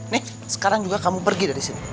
nek sekarang juga kamu pergi dari sini